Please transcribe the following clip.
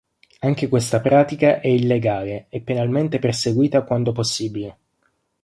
Anche questa pratica è illegale e penalmente perseguita quando possibile.